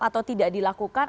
atau tidak dilakukan